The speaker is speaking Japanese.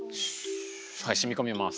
はいしみこみます。